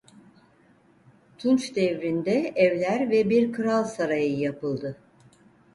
Tunç devrinde evler ve bir kral sarayı yapıldı.